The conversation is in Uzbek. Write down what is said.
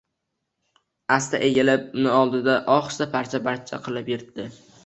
Аsta egilib uni oldi-da, ohista parcha-parcha qilib yirtdi.